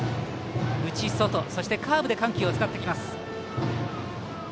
内、外、そしてカーブで緩急を使ってきます。